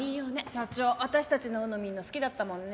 社長私たちのＵＮＯ見るの好きだったもんね。